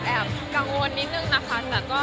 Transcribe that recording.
ก็แอบกังวลนิดนึงนะคะ